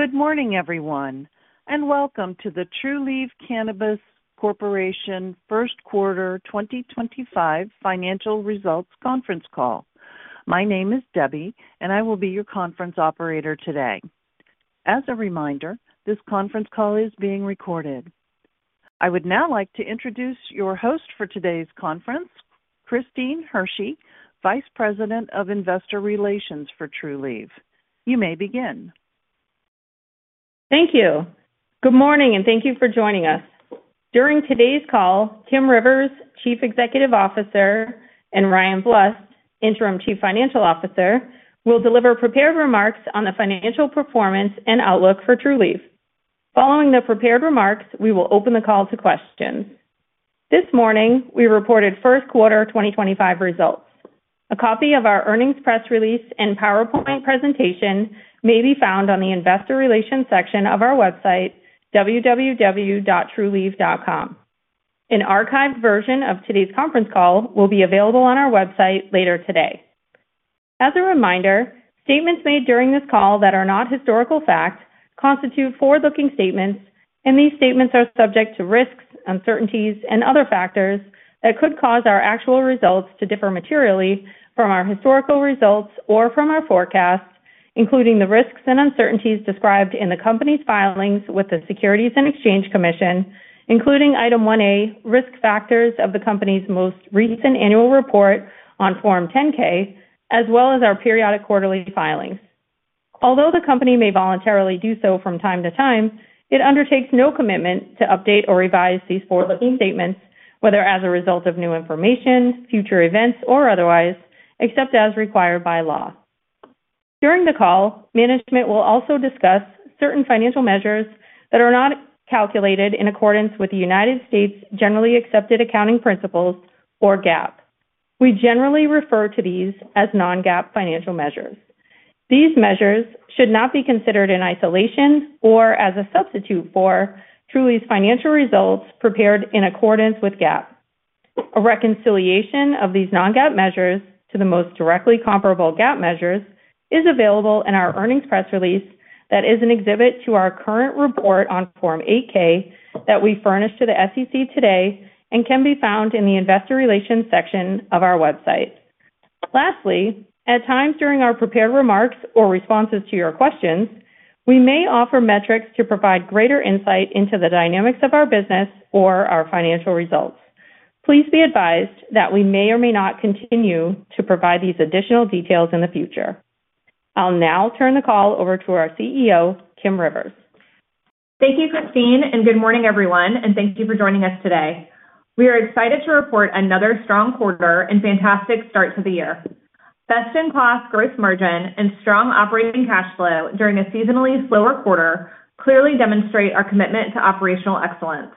Good morning, everyone, and welcome to the Trulieve Cannabis Corporation first quarter 2025 financial results conference call. My name is Debbie, and I will be your conference operator today. As a reminder, this conference call is being recorded. I would now like to introduce your host for today's conference, Christine Hersey, Vice President of Investor Relations for Trulieve. You may begin. Thank you. Good morning, and thank you for joining us. During today's call, Kim Rivers, Chief Executive Officer, and Ryan Blust, Interim Chief Financial Officer, will deliver prepared remarks on the financial performance and outlook for Trulieve. Following the prepared remarks, we will open the call to questions. This morning, we reported first quarter 2025 results. A copy of our earnings press release and PowerPoint presentation may be found on the investor relations section of our website, www.trulieve.com. An archived version of today's conference call will be available on our website later today. As a reminder, statements made during this call that are not historical fact constitute forward-looking statements, and these statements are subject to risks, uncertainties, and other factors that could cause our actual results to differ materially from our historical results or from our forecasts, including the risks and uncertainties described in the company's filings with the Securities and Exchange Commission, including Item 1A, risk factors of the company's most recent annual report on Form 10-K, as well as our periodic quarterly filings. Although the company may voluntarily do so from time to time, it undertakes no commitment to update or revise these forward-looking statements, whether as a result of new information, future events, or otherwise, except as required by law. During the call, management will also discuss certain financial measures that are not calculated in accordance with the United States Generally Accepted Accounting Principles, or GAAP. We generally refer to these as non-GAAP financial measures. These measures should not be considered in isolation or as a substitute for Trulieve's financial results prepared in accordance with GAAP. A reconciliation of these non-GAAP measures to the most directly comparable GAAP measures is available in our earnings press release that is an exhibit to our current report on Form 8-K that we furnish to the SEC today and can be found in the Investor Relations section of our website. Lastly, at times during our prepared remarks or responses to your questions, we may offer metrics to provide greater insight into the dynamics of our business or our financial results. Please be advised that we may or may not continue to provide these additional details in the future. I'll now turn the call over to our CEO, Kim Rivers. Thank you, Christine, and good morning, everyone, and thank you for joining us today. We are excited to report another strong quarter and fantastic start to the year. Best-in-class gross margin and strong operating cash flow during a seasonally slower quarter clearly demonstrate our commitment to operational excellence.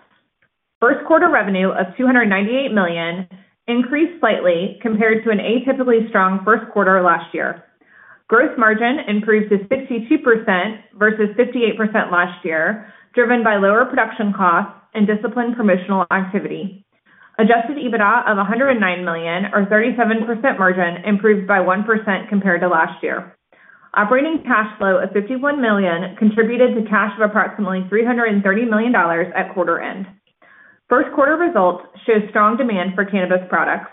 First quarter revenue of $298 million increased slightly compared to an atypically strong first quarter last year. Gross margin improved to 62% versus 58% last year, driven by lower production costs and disciplined promotional activity. Adjusted EBITDA of $109 million, or 37% margin, improved by 1% compared to last year. Operating cash flow of $51 million contributed to cash of approximately $330 million at quarter end. First quarter results show strong demand for cannabis products.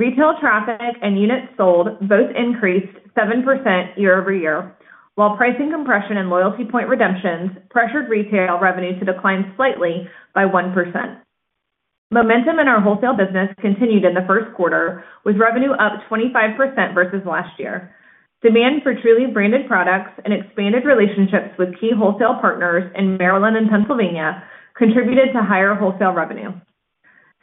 Retail traffic and units sold both increased 7% year-over-year, while pricing compression and loyalty point redemptions pressured retail revenue to decline slightly by 1%. Momentum in our wholesale business continued in the first quarter, with revenue up 25% versus last year. Demand for Trulieve-branded products and expanded relationships with key wholesale partners in Maryland and Pennsylvania contributed to higher wholesale revenue.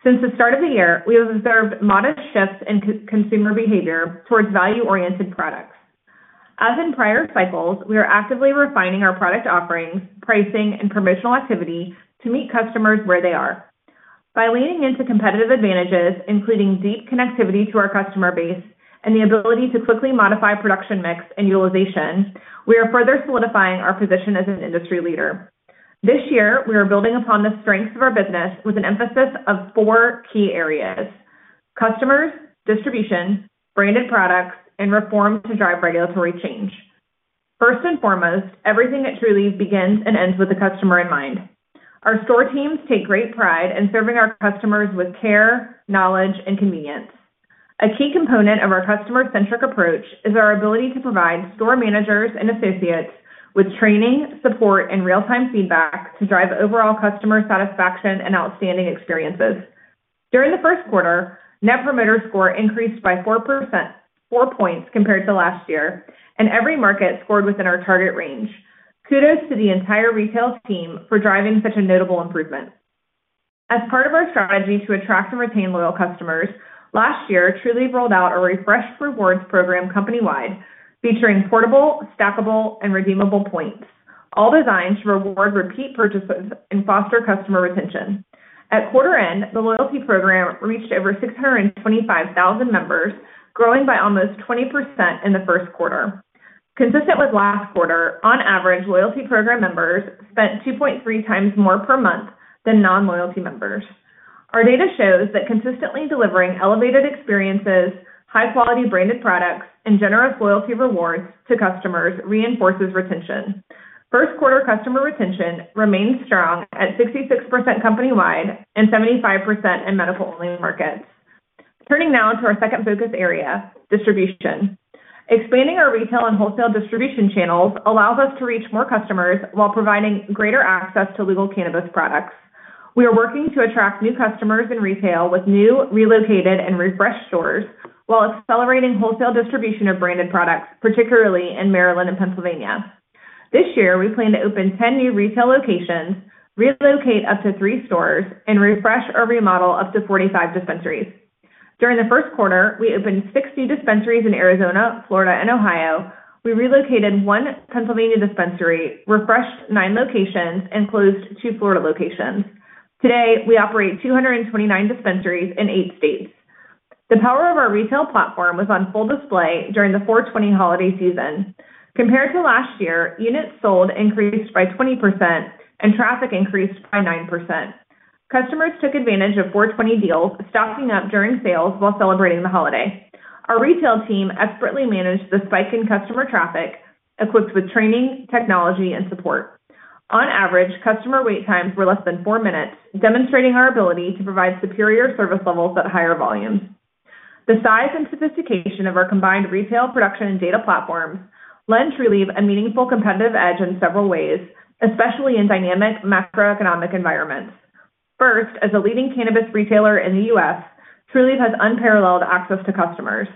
Since the start of the year, we have observed modest shifts in consumer behavior towards value-oriented products. As in prior cycles, we are actively refining our product offerings, pricing, and promotional activity to meet customers where they are. By leaning into competitive advantages, including deep connectivity to our customer base and the ability to quickly modify production mix and utilization, we are further solidifying our position as an industry leader. This year, we are building upon the strengths of our business with an emphasis on four key areas: customers, distribution, branded products, and reform to drive regulatory change. First and foremost, everything at Trulieve begins and ends with the customer in mind. Our store teams take great pride in serving our customers with care, knowledge, and convenience. A key component of our customer-centric approach is our ability to provide store managers and associates with training, support, and real-time feedback to drive overall customer satisfaction and outstanding experiences. During the first quarter, Net Promoter Score increased by 4 points compared to last year, and every market scored within our target range. Kudos to the entire retail team for driving such a notable improvement. As part of our strategy to attract and retain loyal customers, last year, Trulieve rolled out a refreshed rewards program company-wide, featuring portable, stackable, and redeemable points, all designed to reward repeat purchases and foster customer retention. At quarter end, the loyalty program reached over 625,000 members, growing by almost 20% in the first quarter. Consistent with last quarter, on average, loyalty program members spent 2.3 times more per month than non-loyalty members. Our data shows that consistently delivering elevated experiences, high-quality branded products, and generous loyalty rewards to customers reinforces retention. First quarter customer retention remained strong at 66% company-wide and 75% in medical-only markets. Turning now to our second focus area, distribution. Expanding our retail and wholesale distribution channels allows us to reach more customers while providing greater access to legal cannabis products. We are working to attract new customers in retail with new, relocated, and refreshed stores while accelerating wholesale distribution of branded products, particularly in Maryland and Pennsylvania. This year, we plan to open 10 new retail locations, relocate up to three stores, and refresh or remodel up to 45 dispensaries. During the first quarter, we opened 60 dispensaries in Arizona, Florida, and Ohio. We relocated one Pennsylvania dispensary, refreshed nine locations, and closed two Florida locations. Today, we operate 229 dispensaries in eight states. The power of our retail platform was on full display during the 4/20 holiday season. Compared to last year, units sold increased by 20% and traffic increased by 9%. Customers took advantage of 4/20 deals, stocking up during sales while celebrating the holiday. Our retail team expertly managed the spike in customer traffic, equipped with training, technology, and support. On average, customer wait times were less than four minutes, demonstrating our ability to provide superior service levels at higher volumes. The size and sophistication of our combined retail, production, and data platforms lend Trulieve a meaningful competitive edge in several ways, especially in dynamic macroeconomic environments. First, as a leading cannabis retailer in the U.S., Trulieve has unparalleled access to customers.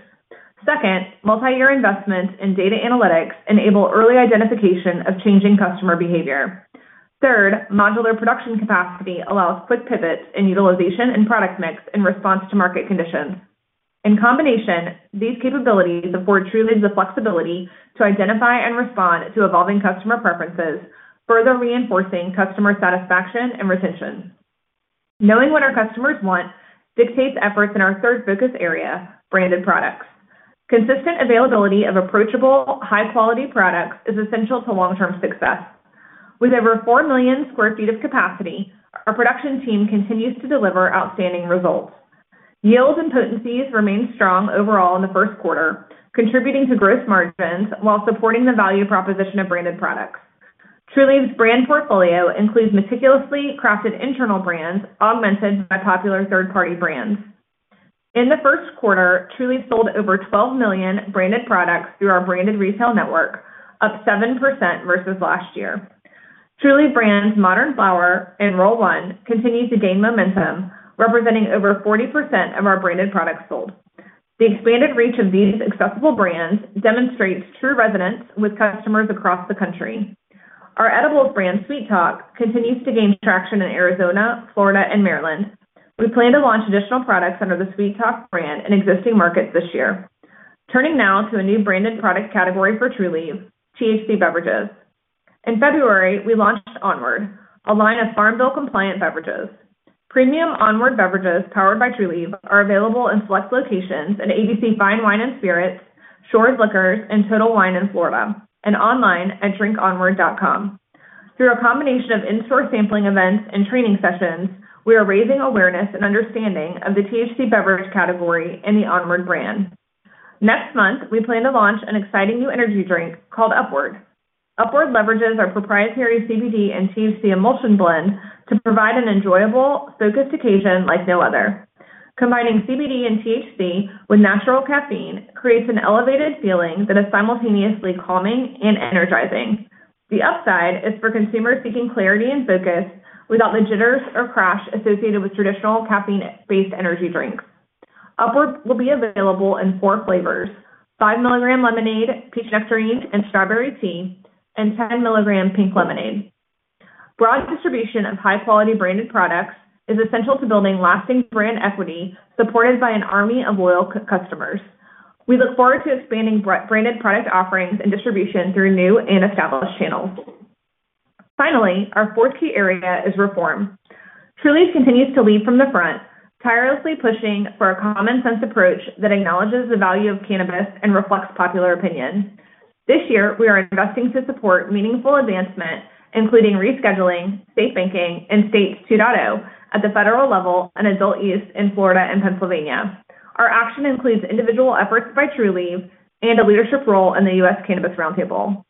Second, multi-year investments in data analytics enable early identification of changing customer behavior. Third, modular production capacity allows quick pivots in utilization and product mix in response to market conditions. In combination, these capabilities afford Trulieve the flexibility to identify and respond to evolving customer preferences, further reinforcing customer satisfaction and retention. Knowing what our customers want dictates efforts in our third focus area, branded products. Consistent availability of approachable, high-quality products is essential to long-term success. With over 4 million sq ft of capacity, our production team continues to deliver outstanding results. Yields and potencies remained strong overall in the first quarter, contributing to gross margins while supporting the value proposition of branded products. Trulieve's brand portfolio includes meticulously crafted internal brands augmented by popular third-party brands. In the first quarter, Trulieve sold over 12 million branded products through our branded retail network, up 7% versus last year. Trulieve brands Modern Flower and Roll One continue to gain momentum, representing over 40% of our branded products sold. The expanded reach of these accessible brands demonstrates true resonance with customers across the country. Our edible brand Sweet Talk continues to gain traction in Arizona, Florida, and Maryland. We plan to launch additional products under the Sweet Talk brand in existing markets this year. Turning now to a new branded product category for Trulieve, THC Beverages. In February, we launched Onward, a line of farm bill-compliant beverages. Premium Onward beverages powered by Trulieve are available in select locations at ABC Fine Wine & Spirits, Shores Liquors, and Total Wine in Florida, and online at drinkonward.com. Through a combination of in-store sampling events and training sessions, we are raising awareness and understanding of the THC beverage category and the Onward brand. Next month, we plan to launch an exciting new energy drink called Upward. Upward leverages our proprietary CBD and THC emulsion blend to provide an enjoyable, focused occasion like no other. Combining CBD and THC with natural caffeine creates an elevated feeling that is simultaneously calming and energizing. The upside is for consumers seeking clarity and focus without the jitters or crash associated with traditional caffeine-based energy drinks. Upward will be available in four flavors: 5 mg lemonade, peach nectarine, and strawberry tea, and 10 mg pink lemonade. Broad distribution of high-quality branded products is essential to building lasting brand equity supported by an army of loyal customers. We look forward to expanding branded product offerings and distribution through new and established channels. Finally, our fourth key area is reform. Trulieve continues to lead from the front, tirelessly pushing for a common-sense approach that acknowledges the value of cannabis and reflects popular opinion. This year, we are investing to support meaningful advancement, including rescheduling, state banking, and STATES 2.0 at the federal level and adult use in Florida and Pennsylvania. Our action includes individual efforts by Trulieve and a leadership role in the U.S. Cannabis Roundtable.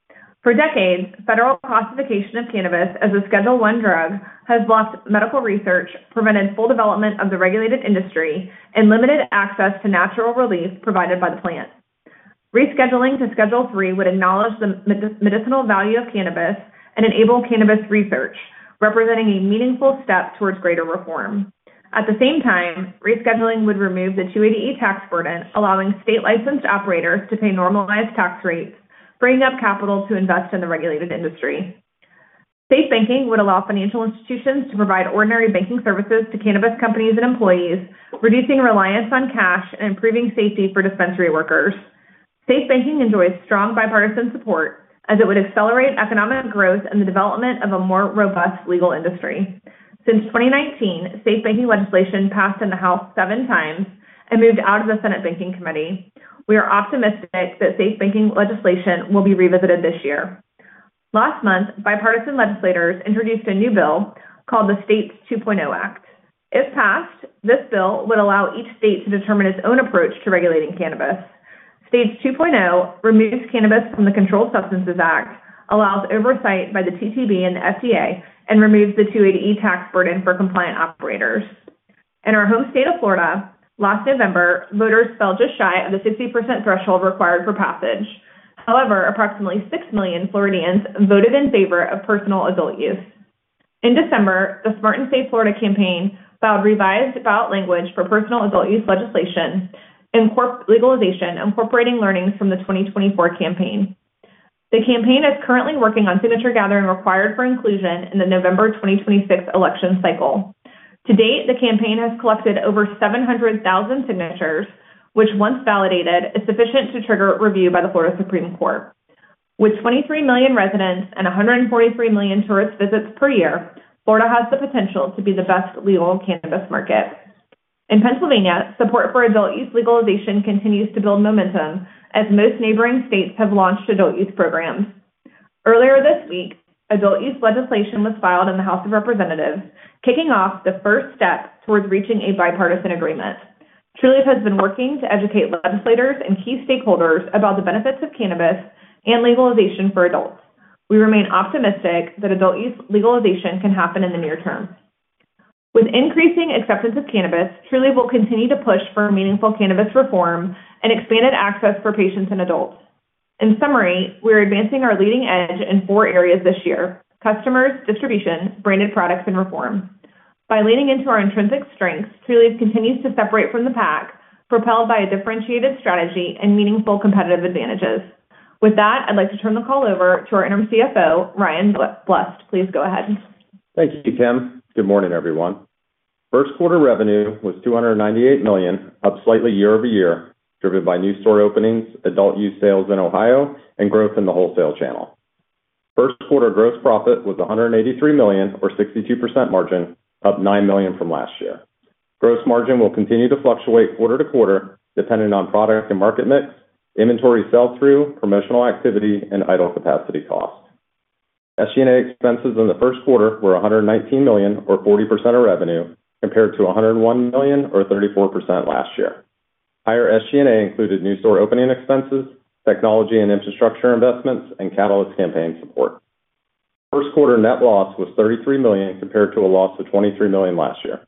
For decades, federal classification of cannabis as a Schedule I drug has blocked medical research, prevented full development of the regulated industry, and limited access to natural relief provided by the plant. Rescheduling to Schedule III would acknowledge the medicinal value of cannabis and enable cannabis research, representing a meaningful step towards greater reform. At the same time, rescheduling would remove the 280E tax burden, allowing state-licensed operators to pay normalized tax rates, freeing up capital to invest in the regulated industry. State banking would allow financial institutions to provide ordinary banking services to cannabis companies and employees, reducing reliance on cash and improving safety for dispensary workers. State banking enjoys strong bipartisan support, as it would accelerate economic growth and the development of a more robust legal industry. Since 2019, state banking legislation passed in the House seven times and moved out of the Senate Banking Committee. We are optimistic that state banking legislation will be revisited this year. Last month, bipartisan legislators introduced a new bill called the STATES 2.0 Act. If passed, this bill would allow each state to determine its own approach to regulating cannabis. STATES 2.0 removes cannabis from the Controlled Substances Act, allows oversight by the TTB and the FDA, and removes the 280E tax burden for compliant operators. In our home state of Florida, last November, voters fell just shy of the 60% threshold required for passage. However, approximately 6 million Floridians voted in favor of personal adult use. In December, the Smart and Safe Florida campaign filed revised ballot language for personal adult use legislation and legalization, incorporating learnings from the 2024 campaign. The campaign is currently working on signature gathering required for inclusion in the November 2026 election cycle. To date, the campaign has collected over 700,000 signatures, which, once validated, is sufficient to trigger review by the Florida Supreme Court. With 23 million residents and 143 million tourist visits per year, Florida has the potential to be the best legal cannabis market. In Pennsylvania, support for adult use legalization continues to build momentum as most neighboring states have launched adult use programs. Earlier this week, adult use legislation was filed in the House of Representatives, kicking off the first step towards reaching a bipartisan agreement. Trulieve has been working to educate legislators and key stakeholders about the benefits of cannabis and legalization for adults. We remain optimistic that adult use legalization can happen in the near term. With increasing acceptance of cannabis, Trulieve will continue to push for meaningful cannabis reform and expanded access for patients and adults. In summary, we are advancing our leading edge in four areas this year: customers, distribution, branded products, and reform. By leaning into our intrinsic strengths, Trulieve continues to separate from the pack, propelled by a differentiated strategy and meaningful competitive advantages. With that, I'd like to turn the call over to our Interim CFO, Ryan Blust. Please go ahead. Thank you, Kim. Good morning, everyone. First quarter revenue was $298 million, up slightly year-over-year, driven by new store openings, adult use sales in Ohio, and growth in the wholesale channel. First quarter gross profit was $183 million, or 62% margin, up $9 million from last year. Gross margin will continue to fluctuate quarter to quarter, depending on product and market mix, inventory sell-through, promotional activity, and idle capacity cost. SG&A expenses in the first quarter were $119 million, or 40% of revenue, compared to $101 million, or 34% last year. Higher SG&A included new store opening expenses, technology and infrastructure investments, and catalyst campaign support. First quarter net loss was $33 million, compared to a loss of $23 million last year.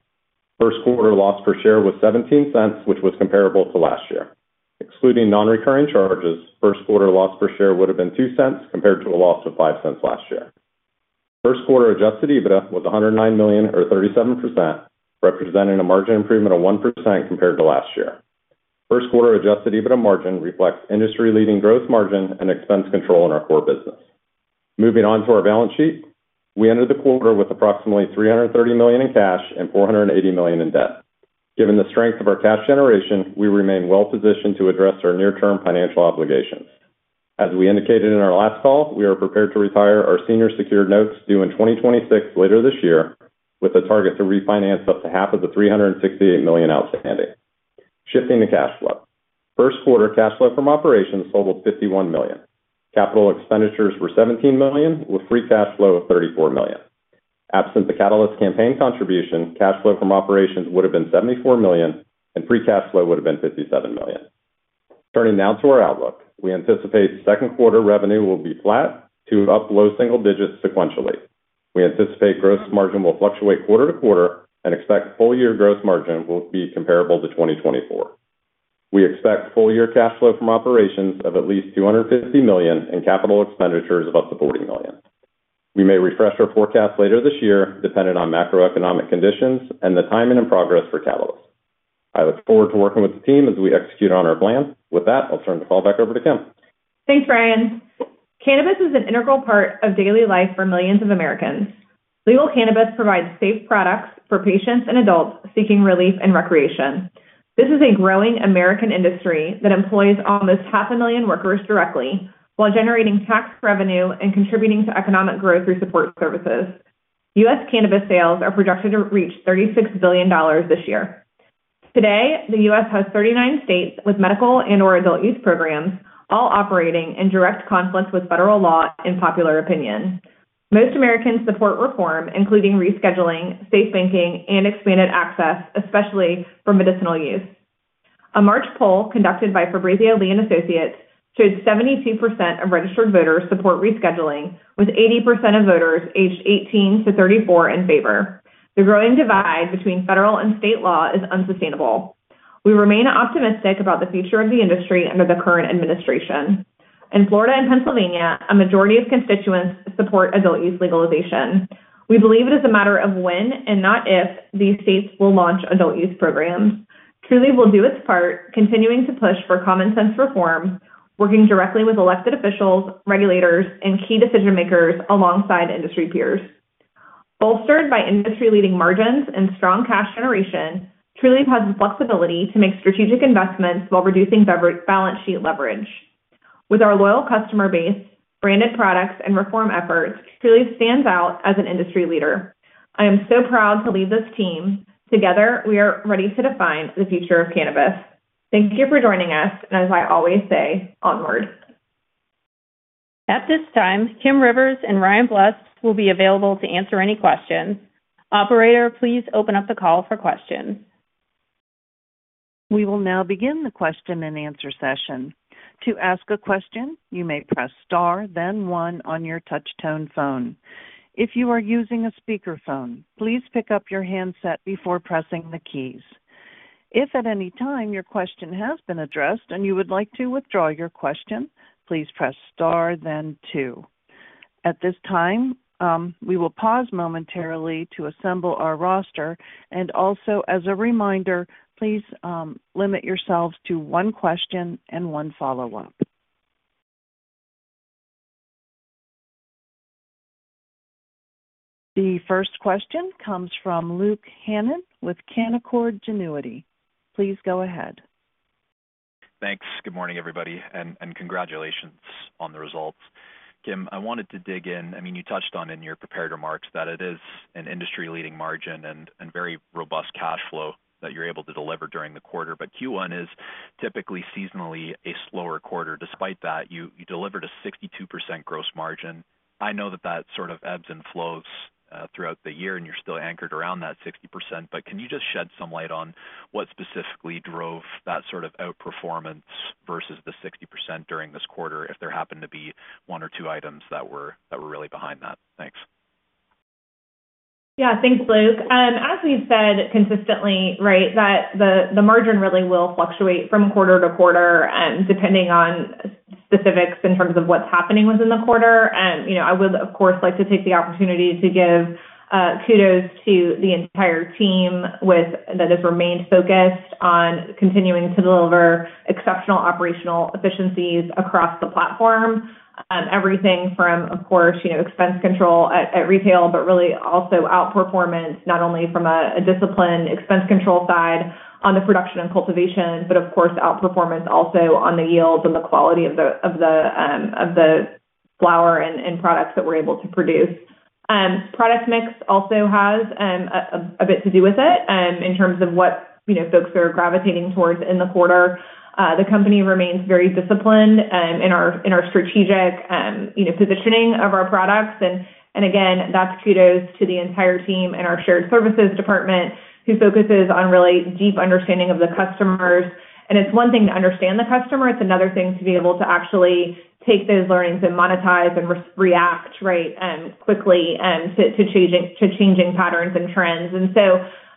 First quarter loss per share was $0.17, which was comparable to last year. Excluding non-recurring charges, first quarter loss per share would have been $0.02, compared to a loss of $0.05 last year. First quarter adjusted EBITDA was $109 million, or 37%, representing a margin improvement of 1% compared to last year. First quarter adjusted EBITDA margin reflects industry-leading growth margin and expense control in our core business. Moving on to our balance sheet, we ended the quarter with approximately $330 million in cash and $480 million in debt. Given the strength of our cash generation, we remain well-positioned to address our near-term financial obligations. As we indicated in our last call, we are prepared to retire our senior secured notes due in 2026 later this year, with a target to refinance up to half of the $368 million outstanding. Shifting to cash flow, first quarter cash flow from operations totaled $51 million. Capital expenditures were $17 million, with free cash flow of $34 million. Absent the catalyst campaign contribution, cash flow from operations would have been $74 million, and free cash flow would have been $57 million. Turning now to our outlook, we anticipate second quarter revenue will be flat to up low single digits sequentially. We anticipate gross margin will fluctuate quarter to quarter and expect full year gross margin will be comparable to 2024. We expect full year cash flow from operations of at least $250 million and capital expenditures of up to $40 million. We may refresh our forecast later this year, depending on macroeconomic conditions and the timing and progress for catalysts. I look forward to working with the team as we execute on our plan. With that, I'll turn the call back over to Kim. Thanks, Ryan. Cannabis is an integral part of daily life for millions of Americans. Legal cannabis provides safe products for patients and adults seeking relief and recreation. This is a growing American industry that employs almost half a million workers directly while generating tax revenue and contributing to economic growth through support services. U.S. cannabis sales are projected to reach $36 billion this year. Today, the U.S. has 39 states with medical and/or adult use programs, all operating in direct conflict with federal law and popular opinion. Most Americans support reform, including rescheduling, state banking, and expanded access, especially for medicinal use. A March poll conducted by Fabrizio Lee & Associates showed 72% of registered voters support rescheduling, with 80% of voters aged 18 to 34 in favor. The growing divide between federal and state law is unsustainable. We remain optimistic about the future of the industry under the current administration. In Florida and Pennsylvania, a majority of constituents support adult use legalization. We believe it is a matter of when and not if these states will launch adult use programs. Trulieve will do its part, continuing to push for common-sense reform, working directly with elected officials, regulators, and key decision-makers alongside industry peers. Bolstered by industry-leading margins and strong cash generation, Trulieve has the flexibility to make strategic investments while reducing balance sheet leverage. With our loyal customer base, branded products, and reform efforts, Trulieve stands out as an industry leader. I am so proud to lead this team. Together, we are ready to define the future of cannabis. Thank you for joining us, and as I always say, onward. At this time, Kim Rivers and Ryan Blust will be available to answer any questions. Operator, please open up the call for questions. We will now begin the question and answer session. To ask a question, you may press star, then one on your touchtone phone. If you are using a speakerphone, please pick up your handset before pressing the keys. If at any time your question has been addressed and you would like to withdraw your question, please press star, then two. At this time, we will pause momentarily to assemble our roster. Also, as a reminder, please limit yourselves to one question and one follow-up. The first question comes from Luke Hannan with Canaccord Genuity. Please go ahead. Thanks. Good morning, everybody, and congratulations on the results. Kim, I wanted to dig in. I mean, you touched on in your prepared remarks that it is an industry-leading margin and very robust cash flow that you're able to deliver during the quarter. Q1 is typically seasonally a slower quarter. Despite that, you delivered a 62% gross margin. I know that that sort of ebbs and flows throughout the year, and you're still anchored around that 60%. Can you just shed some light on what specifically drove that sort of outperformance versus the 60% during this quarter, if there happened to be one or two items that were really behind that? Thanks. Yeah, thanks, Luke. As we've said consistently, right, the margin really will fluctuate from quarter to quarter, depending on specifics in terms of what's happening within the quarter. I would, of course, like to take the opportunity to give kudos to the entire team that has remained focused on continuing to deliver exceptional operational efficiencies across the platform. Everything from, of course, expense control at retail, but really also outperformance, not only from a disciplined expense control side on the production and cultivation, but, of course, outperformance also on the yields and the quality of the flower and products that we're able to produce. Product mix also has a bit to do with it in terms of what folks are gravitating towards in the quarter. The company remains very disciplined in our strategic positioning of our products. Again, that's kudos to the entire team and our shared services department, who focuses on really deep understanding of the customers. It's one thing to understand the customer. It's another thing to be able to actually take those learnings and monetize and react, right, quickly to changing patterns and trends.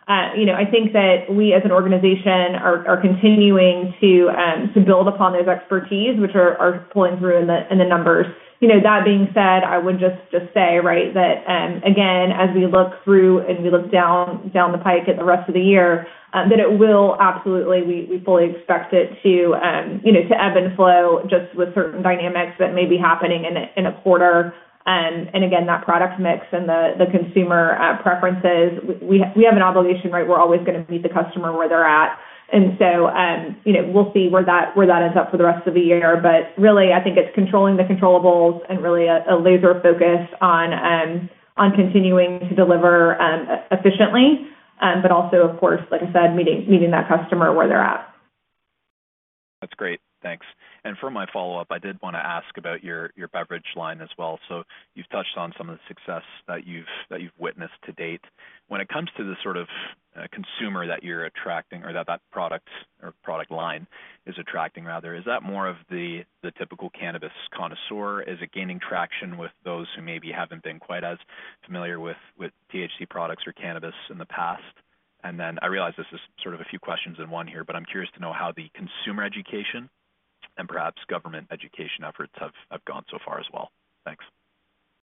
I think that we, as an organization, are continuing to build upon those expertise, which are pulling through in the numbers. That being said, I would just say, right, that again, as we look through and we look down the pike at the rest of the year, it will absolutely—we fully expect it to ebb and flow just with certain dynamics that may be happening in a quarter. Again, that product mix and the consumer preferences, we have an obligation, right? We're always going to meet the customer where they're at. We will see where that ends up for the rest of the year. Really, I think it's controlling the controllables, and really a laser focus on continuing to deliver efficiently, but also, of course, like I said, meeting that customer where they're at. That's great. Thanks. For my follow-up, I did want to ask about your beverage line as well. You've touched on some of the success that you've witnessed to date. When it comes to the sort of consumer that you're attracting, or that that product line is attracting, rather, is that more of the typical cannabis connoisseur? Is it gaining traction with those who maybe haven't been quite as familiar with THC products or cannabis in the past? I realize this is sort of a few questions in one here, but I'm curious to know how the consumer education and perhaps government education efforts have gone so far as well. Thanks.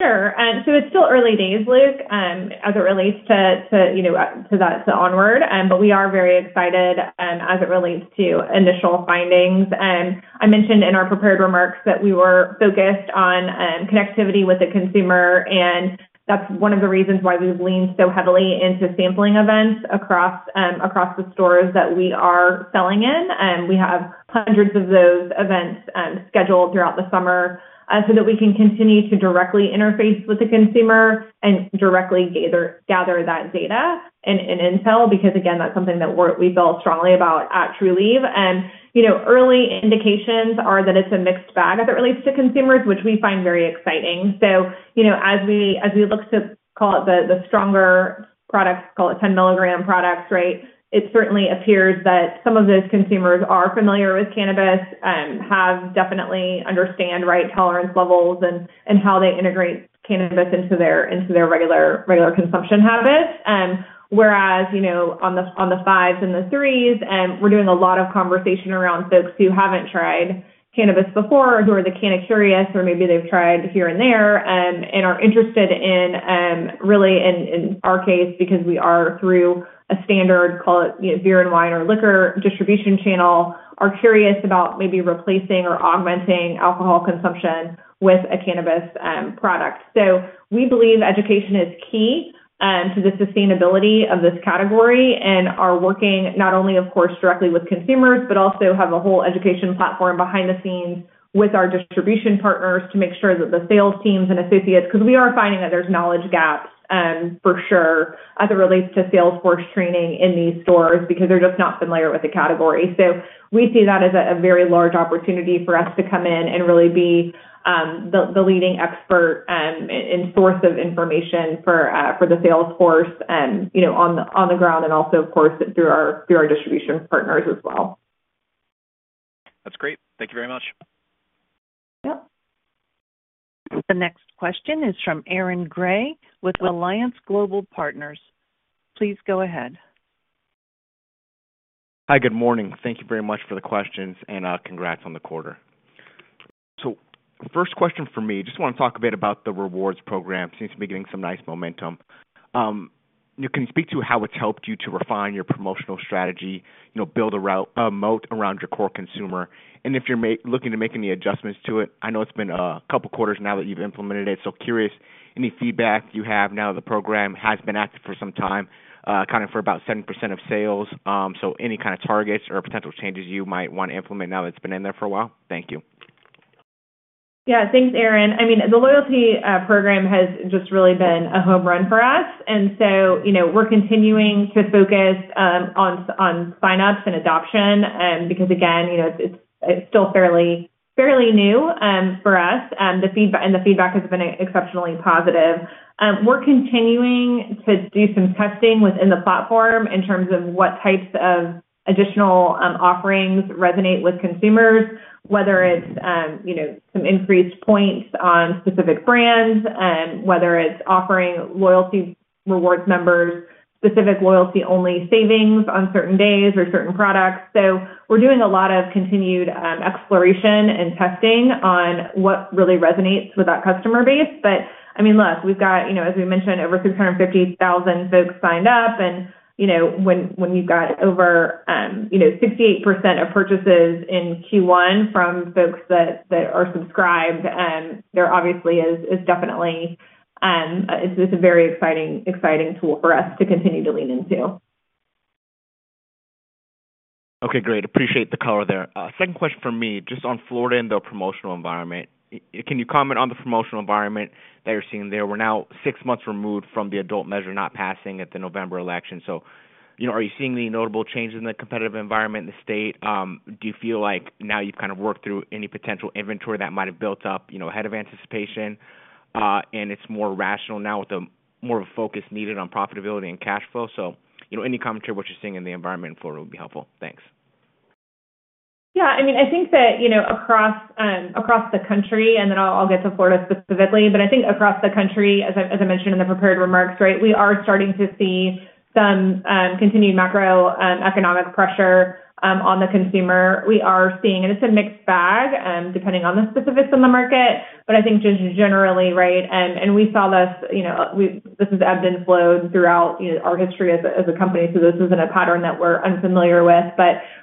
Sure. It's still early days, Luke, as it relates to that, to Onward. We are very excited as it relates to initial findings. I mentioned in our prepared remarks that we were focused on connectivity with the consumer, and that's one of the reasons why we've leaned so heavily into sampling events across the stores that we are selling in. We have hundreds of those events scheduled throughout the summer so that we can continue to directly interface with the consumer and directly gather that data and intel, because, again, that's something that we feel strongly about at Trulieve. Early indications are that it's a mixed bag as it relates to consumers, which we find very exciting. As we look to call it the stronger products, call it 10 mg products, right, it certainly appears that some of those consumers are familiar with cannabis, have definitely understood, right, tolerance levels and how they integrate cannabis into their regular consumption habits. Whereas on the fives and the threes, we're doing a lot of conversation around folks who haven't tried cannabis before, who are the cana-curious, or maybe they've tried here and there and are interested in, really, in our case, because we are through a standard, call it beer and wine or liquor distribution channel, are curious about maybe replacing or augmenting alcohol consumption with a cannabis product. We believe education is key to the sustainability of this category and are working not only, of course, directly with consumers, but also have a whole education platform behind the scenes with our distribution partners to make sure that the sales teams and associates, because we are finding that there's knowledge gaps for sure as it relates to Salesforce training in these stores because they're just not familiar with the category. We see that as a very large opportunity for us to come in and really be the leading expert and source of information for the Salesforce on the ground and also, of course, through our distribution partners as well. That's great. Thank you very much. Yep. The next question is from Aaron Grey with Alliance Global Partners. Please go ahead. Hi, good morning. Thank you very much for the questions and congrats on the quarter. First question for me, just want to talk a bit about the rewards program. Seems to be getting some nice momentum. Can you speak to how it's helped you to refine your promotional strategy, build a moat around your core consumer? And if you're looking to make any adjustments to it, I know it's been a couple of quarters now that you've implemented it. Curious, any feedback you have now that the program has been active for some time, accounting for about 7% of sales, any kind of targets or potential changes you might want to implement now that it has been in there for a while? Thank you. Yeah, thanks, Aaron. I mean, the loyalty program has just really been a home run for us. We are continuing to focus on sign-ups and adoption because, again, it is still fairly new for us, and the feedback has been exceptionally positive. We are continuing to do some testing within the platform in terms of what types of additional offerings resonate with consumers, whether it is some increased points on specific brands, whether it is offering loyalty rewards members specific loyalty-only savings on certain days or certain products. We are doing a lot of continued exploration and testing on what really resonates with that customer base. I mean, look, we've got, as we mentioned, over 650,000 folks signed up. And when you've got over 68% of purchases in Q1 from folks that are subscribed, there obviously is definitely—it's a very exciting tool for us to continue to lean into. Okay, great. Appreciate the color there. Second question for me, just on Florida and the promotional environment. Can you comment on the promotional environment that you're seeing there? We're now six months removed from the adult measure not passing at the November election. Are you seeing any notable changes in the competitive environment in the state? Do you feel like now you've kind of worked through any potential inventory that might have built up ahead of anticipation and it's more rational now with more of a focus needed on profitability and cash flow? Any commentary of what you're seeing in the environment in Florida would be helpful. Thanks. Yeah. I mean, I think that across the country, and then I'll get to Florida specifically, but I think across the country, as I mentioned in the prepared remarks, right, we are starting to see some continued macroeconomic pressure on the consumer. We are seeing it. It's a mixed bag, depending on the specifics on the market. I think just generally, right, and we saw this—this has ebbed and flowed throughout our history as a company. This isn't a pattern that we're unfamiliar with.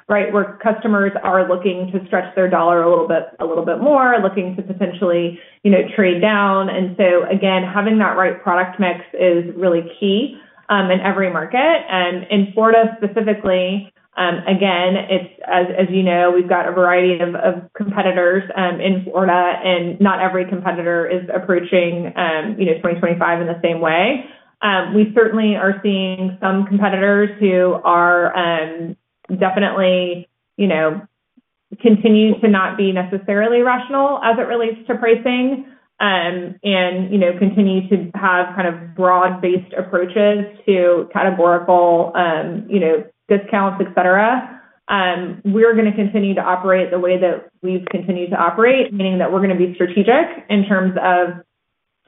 Right, where customers are looking to stretch their dollar a little bit more, looking to potentially trade down. Again, having that right product mix is really key in every market. In Florida specifically, again, as you know, we've got a variety of competitors in Florida, and not every competitor is approaching 2025 in the same way. We certainly are seeing some competitors who are definitely continuing to not be necessarily rational as it relates to pricing and continue to have kind of broad-based approaches to categorical discounts, etc. We're going to continue to operate the way that we've continued to operate, meaning that we're going to be strategic in terms of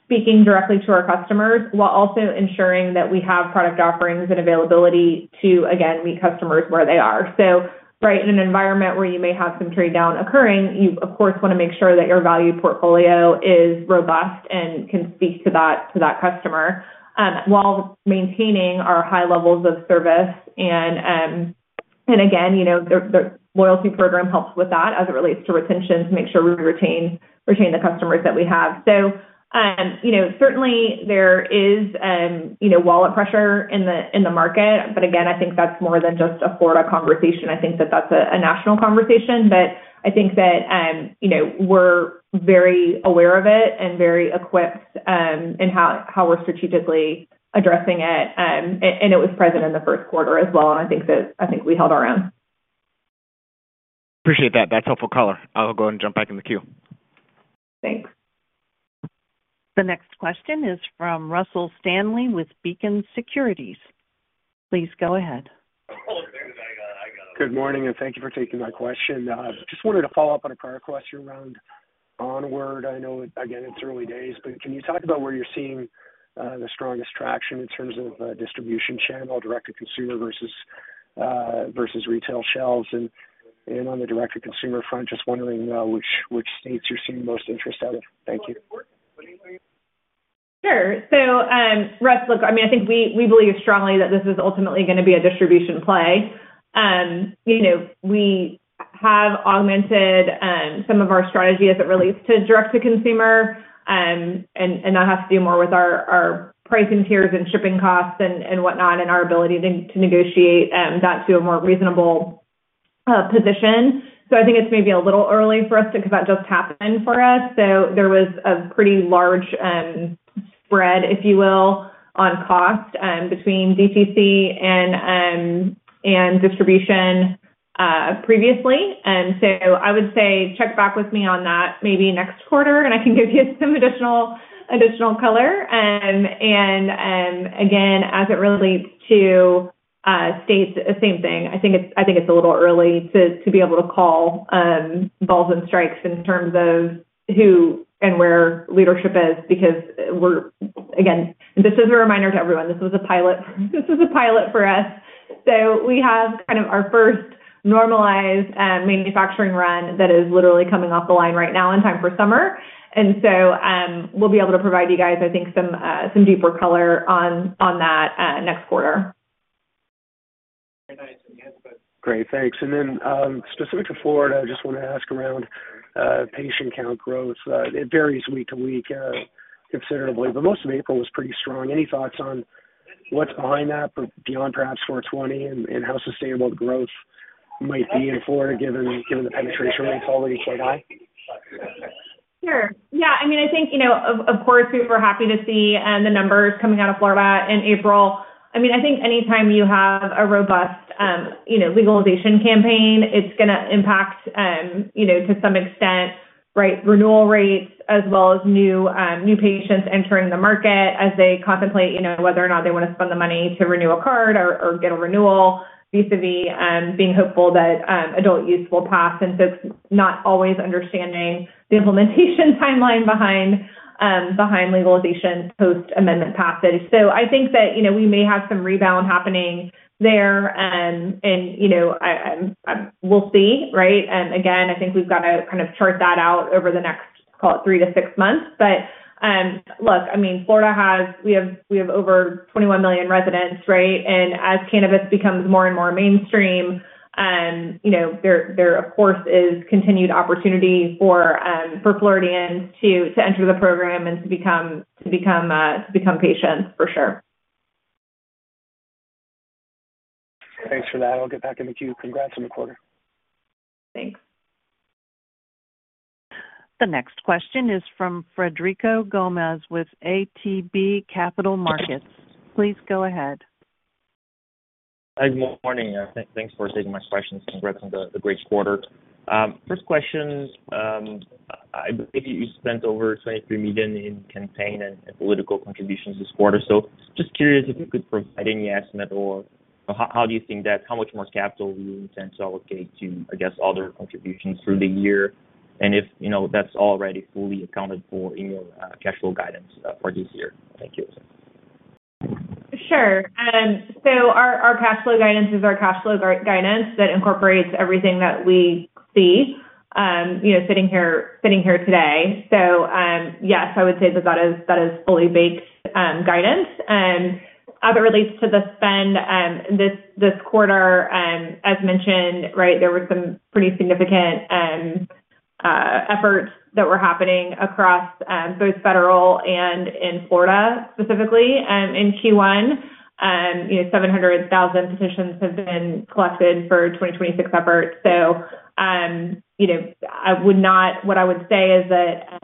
speaking directly to our customers while also ensuring that we have product offerings and availability to, again, meet customers where they are. Right, in an environment where you may have some trade-down occurring, you, of course, want to make sure that your value portfolio is robust and can speak to that customer while maintaining our high levels of service. Again, the loyalty program helps with that as it relates to retention to make sure we retain the customers that we have. Certainly, there is wallet pressure in the market. Again, I think that's more than just a Florida conversation. I think that that's a national conversation. I think that we're very aware of it and very equipped in how we're strategically addressing it. It was present in the first quarter as well. I think that we held our own. Appreciate that. That's helpful color. I'll go ahead and jump back in the queue. Thanks. The next question is from Russell Stanley with Beacon Securities. Please go ahead. Good morning, and thank you for taking my question. Just wanted to follow up on a prior question around Onward. I know, again, it's early days, but can you talk about where you're seeing the strongest traction in terms of distribution channel, direct-to-consumer versus retail shelves? On the direct-to-consumer front, just wondering which states you're seeing most interest out of. Thank you. Sure. Russell, look, I mean, I think we believe strongly that this is ultimately going to be a distribution play. We have augmented some of our strategy as it relates to direct-to-consumer, and that has to do more with our pricing tiers and shipping costs and whatnot and our ability to negotiate that to a more reasonable position. I think it's maybe a little early for us because that just happened for us. There was a pretty large spread, if you will, on cost between DTC and distribution previously. I would say check back with me on that maybe next quarter, and I can give you some additional color. Again, as it relates to states, same thing. I think it's a little early to be able to call balls and strikes in terms of who and where leadership is because, again, this is a reminder to everyone. This was a pilot. This was a pilot for us. We have kind of our first normalized manufacturing run that is literally coming off the line right now in time for summer. We will be able to provide you guys, I think, some deeper color on that next quarter. Great. Thanks. Then specific to Florida, I just want to ask around patient count growth. It varies week to week considerably, but most of April was pretty strong. Any thoughts on what's behind that beyond perhaps 420 and how sustainable the growth might be in Florida given the penetration rate's already quite high? Sure. Yeah. I mean, I think, of course, we were happy to see the numbers coming out of Florida in April. I mean, I think anytime you have a robust legalization campaign, it's going to impact to some extent, right, renewal rates as well as new patients entering the market as they contemplate whether or not they want to spend the money to renew a card or get a renewal vis-à-vis being hopeful that adult use will pass. It is not always understanding the implementation timeline behind legalization post-amendment passage. I think that we may have some rebound happening there, and we'll see, right? I think we've got to kind of chart that out over the next, call it, three to six months. Look, I mean, Florida has—we have over 21 million residents, right? As cannabis becomes more and more mainstream, there, of course, is continued opportunity for Floridians to enter the program and to become patients, for sure. Thanks for that. I'll get back in the queue. Congrats on the quarter. Thanks. The next question is from Frederico Gomes with ATB Capital Markets. Please go ahead. Good morning. Thanks for taking my questions. Congrats on the great quarter. First question, I believe you spent over $23 million in campaign and political contributions this quarter. Just curious if you could provide any estimate or how do you think that how much more capital you intend to allocate to, I guess, other contributions through the year and if that's already fully accounted for in your cash flow guidance for this year? Thank you. Sure. Our cash flow guidance is our cash flow guidance that incorporates everything that we see sitting here today. Yes, I would say that that is fully baked guidance. As it relates to the spend this quarter, as mentioned, right, there were some pretty significant efforts that were happening across both federal and in Florida specifically. In Q1, 700,000 petitions have been collected for 2026 efforts. What I would say is that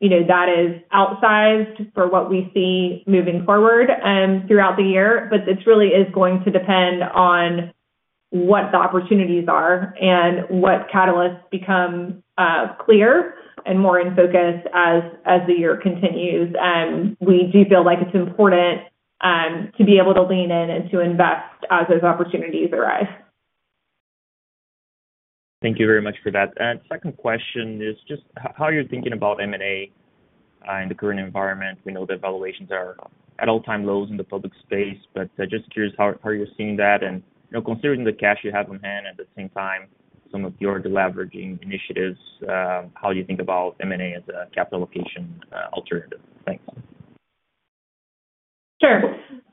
that is outsized for what we see moving forward throughout the year, but this really is going to depend on what the opportunities are and what catalysts become clear and more in focus as the year continues. We do feel like it's important to be able to lean in and to invest as those opportunities arise. Thank you very much for that. Second question is just how you're thinking about M&A in the current environment. We know that valuations are at all-time lows in the public space, but just curious how you're seeing that. Considering the cash you have on-hand and at the same time some of your leveraging initiatives, how do you think about M&A as a capital allocation alternative? Thanks. Sure.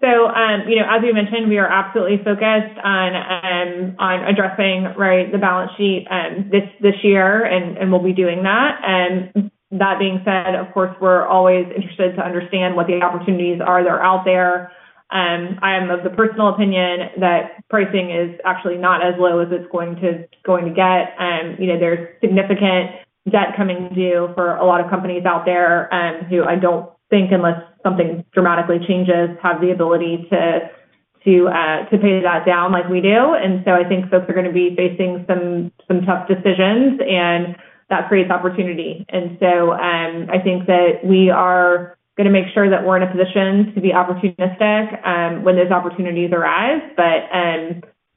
As we mentioned, we are absolutely focused on addressing, right, the balance sheet this year and we'll be doing that. That being said, of course, we're always interested to understand what the opportunities are that are out there. I am of the personal opinion that pricing is actually not as low as it's going to get. There's significant debt coming due for a lot of companies out there who I don't think, unless something dramatically changes, have the ability to pay that down like we do. I think folks are going to be facing some tough decisions, and that creates opportunity. I think that we are going to make sure that we're in a position to be opportunistic when those opportunities arise.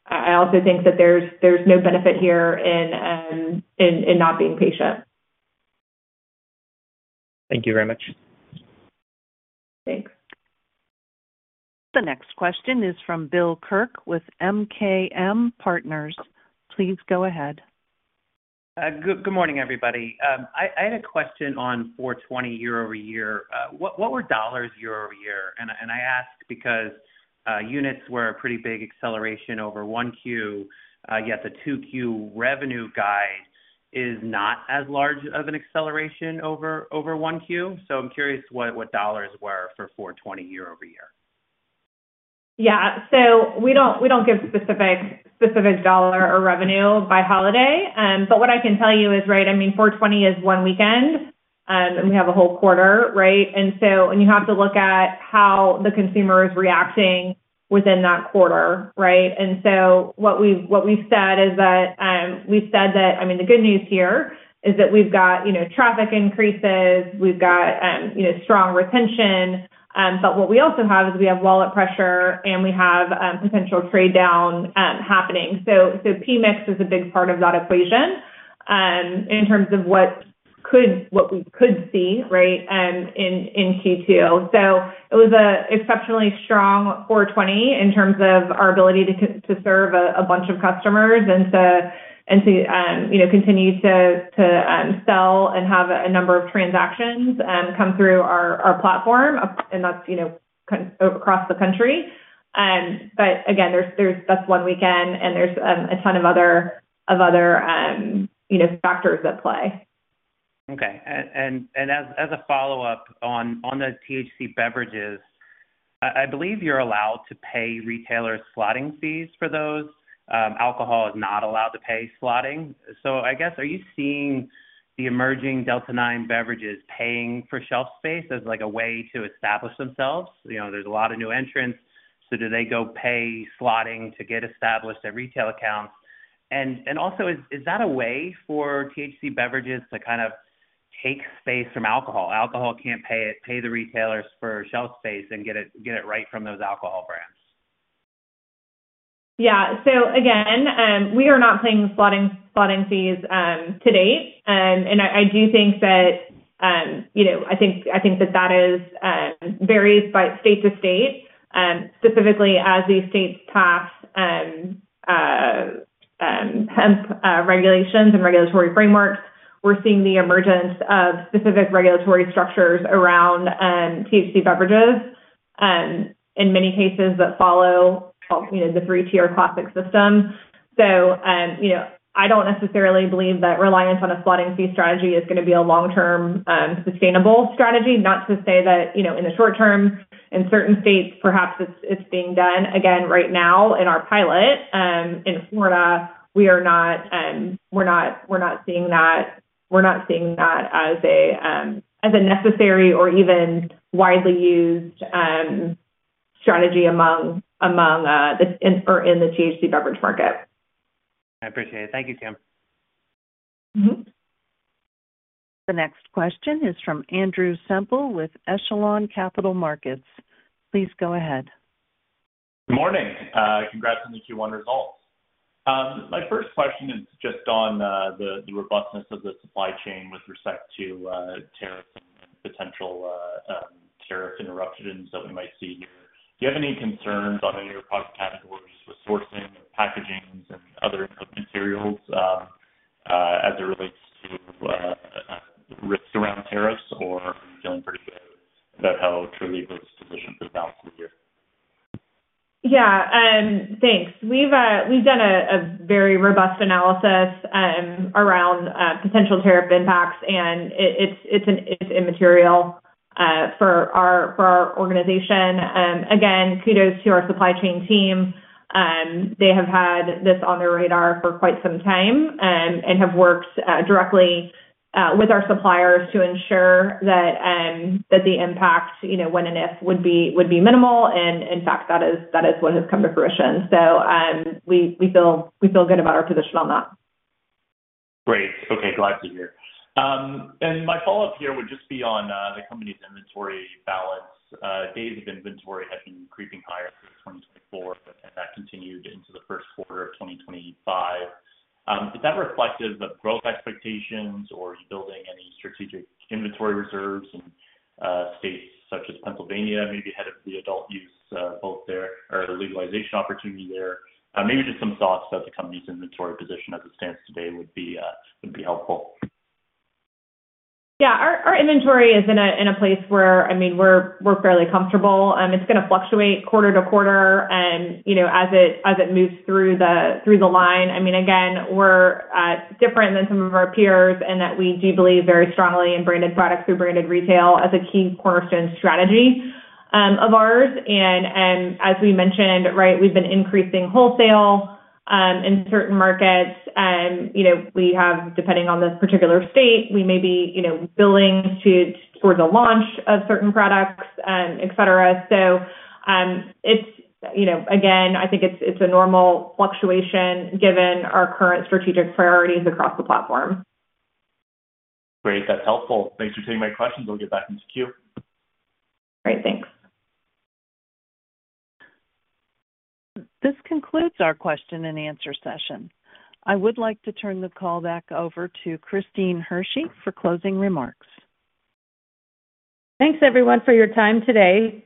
I also think that there's no benefit here in not being patient. Thank you very much. Thanks. The next question is from Bill Kirk with MKM Partners. Please go ahead. Good morning, everybody. I had a question on 420 year-over-year. What were dollars year-over-year? And I ask because units were a pretty big acceleration over one Q, yet the two Q revenue guide is not as large of an acceleration over one Q. I'm curious what dollars were for 420 year-over-year. Yeah. We do not give specific dollar or revenue by holiday. What I can tell you is, right, I mean, 420 is one weekend, and we have a whole quarter, right? You have to look at how the consumer is reacting within that quarter, right? What we have said is that, I mean, the good news here is that we have got traffic increases. We have got strong retention. What we also have is we have wallet pressure, and we have potential trade-down happening. So PMIX is a big part of that equation in terms of what we could see, right, in Q2. It was an exceptionally strong 420 in terms of our ability to serve a bunch of customers and to continue to sell and have a number of transactions come through our platform, and that's kind of across the country. Again, that's one weekend, and there's a ton of other factors at play. Okay. As a follow-up on the THC beverages, I believe you're allowed to pay retailers slotting fees for those. Alcohol is not allowed to pay slotting. I guess, are you seeing the emerging Delta 9 beverages paying for shelf space as a way to establish themselves? There's a lot of new entrants. Do they go pay slotting to get established at retail accounts? Also, is that a way for THC beverages to kind of take space from alcohol? Alcohol cannot pay the retailers for shelf space and get it right from those alcohol brands. Yeah. Again, we are not paying slotting fees to date. I do think that varies by state to state. Specifically, as these states pass regulations and regulatory frameworks, we are seeing the emergence of specific regulatory structures around THC beverages in many cases that follow the three-tier classic system. I do not necessarily believe that reliance on a slotting fee strategy is going to be a long-term sustainable strategy. Not to say that in the short term, in certain states, perhaps it is being done. Again, right now in our pilot in Florida, we are not seeing that. We're not seeing that as a necessary or even widely used strategy among or in the THC beverage market. I appreciate it. Thank you, Kim. The next question is from Andrew Semple with Echelon Capital Markets. Please go ahead. Good morning. Congrats on the Q1 results. My first question is just on the robustness of the supply chain with respect to potential tariff interruptions that we might see here. Do you have any concerns on any of your product categories with sourcing and packaging and other materials as it relates to risks around tariffs, or are you feeling pretty good about how Trulieve was positioned for the balance of the year? Yeah. Thanks. We've done a very robust analysis around potential tariff impacts, and it's immaterial for our organization. Again, kudos to our supply chain team. They have had this on their radar for quite some time and have worked directly with our suppliers to ensure that the impact, when and if, would be minimal. In fact, that is what has come to fruition. We feel good about our position on that. Great. Okay. Glad to hear. My follow-up here would just be on the company's inventory balance. Days of inventory have been creeping higher since 2024, and that continued into the first quarter of 2025. Is that reflective of growth expectations, or are you building any strategic inventory reserves in states such as Pennsylvania, maybe ahead of the adult use bulk there or legalization opportunity there? Maybe just some thoughts about the company's inventory position as it stands today would be helpful. Yeah. Our inventory is in a place where, I mean, we're fairly comfortable. It's going to fluctuate quarter to quarter as it moves through the line. I mean, again, we're different than some of our peers in that we do believe very strongly in branded products through branded retail as a key cornerstone strategy of ours. As we mentioned, right, we've been increasing wholesale in certain markets. We have, depending on the particular state, we may be billing towards a launch of certain products, etc. Again, I think it's a normal fluctuation given our current strategic priorities across the platform. Great. That's helpful. Thanks for taking my questions. We'll get back into queue. Great. Thanks. This concludes our question-and-answer session. I would like to turn the call back over to Christine Hersey for closing remarks. Thanks, everyone, for your time today.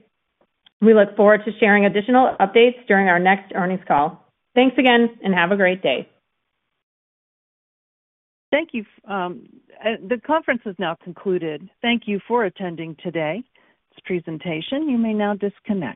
We look forward to sharing additional updates during our next earnings call. Thanks again, and have a great day. Thank you. The conference has now concluded. Thank you for attending today's presentation. You may now disconnect.